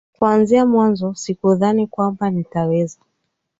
Kuanzia mwanzo, sikudhani kwamba nitaweza.